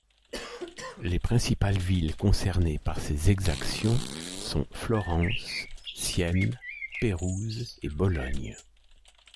Les principales villes concernées par ses exactions sont Florence, Sienne, Pérouse et Bologne.